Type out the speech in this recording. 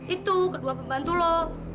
itu kedua pembantu lho